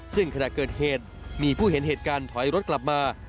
ซึ่งขณะเกิดเหตุมีผู้เห็นเหตุการณ์ถอยรถกลับมา